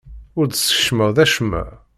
Ur d-teskecmeḍ acemma.